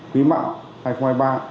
quý mạo hai nghìn hai mươi ba